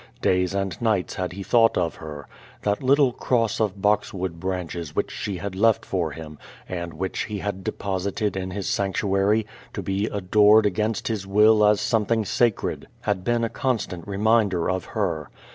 Days and nights had he thought of her. That little cross of boxwood branches which she had left for him, and which he had deposited in his sanctuary, to be adored against liis will as something sacred, had been a constant reminder of her.